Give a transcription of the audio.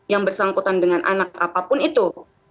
yang bersangkutan dengan anak apapun itu